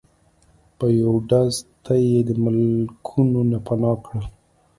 په یو ډز ته یی د ملکونو نه پناه کړل